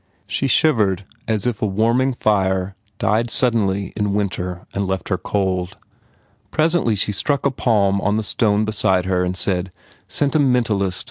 She shivered .is if a warming fire died suddenly in winter and left her cold. Presently she struck a palm on the stone beside her and said, "Sentimentalist